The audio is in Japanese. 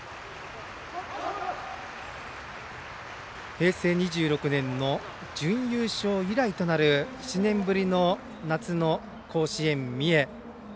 平成２６年の準優勝以来となる７年ぶりの夏の甲子園、三重。